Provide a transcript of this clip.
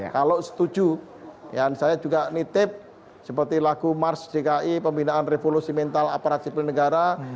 kalau setuju saya juga nitip seperti lagu mars dki pembinaan revolusi mental aparat sipil negara